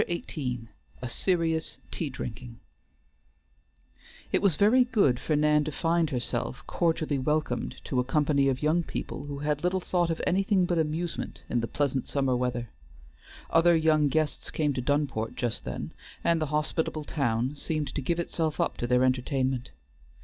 XVIII A SERIOUS TEA DRINKING It was very good for Nan to find herself cordially welcomed to a company of young people who had little thought of anything but amusement in the pleasant summer weather. Other young guests came to Dunport just then, and the hospitable town seemed to give itself up to their entertainment.